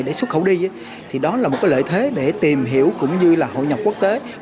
để xuất khẩu đi thì đó là một cái lợi thế để tìm hiểu cũng như là hội nhập quốc tế